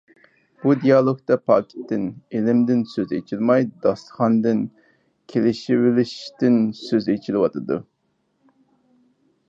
بۇ دېئالوگدا پاكىتتىن، ئىلىمدىن سۆز ئېچىلماي داستىخاندىن، كېلىشۋېلىشتىن سۆز ئىچىلىۋاتىدۇ.